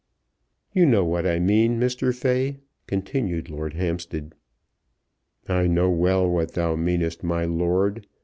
"You know what I mean, Mr. Fay," continued Lord Hampstead. "I know well what thou meanest, my lord.